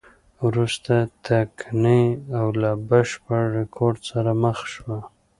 وروسته ټکنۍ او له بشپړ رکود سره مخ شوه.